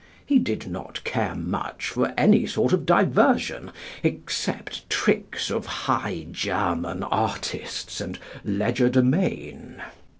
He did not care much for any sort of diversion, except tricks of High German artists and legerdemain.